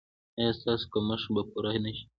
ایا ستاسو کمښت به پوره نه شي؟